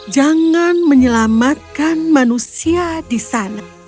jangan menyelamatkan manusia di sana